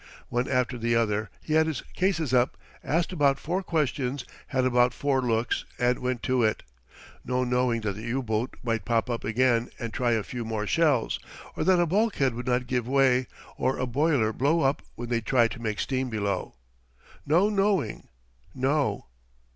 One after the other, he had his cases up, asked about four questions, had about four looks, and went to it. No knowing that the U boat might pop up again and try a few more shells, or that a bulkhead would not give way, or a boiler blow up when they tried to make steam below. No knowing; no.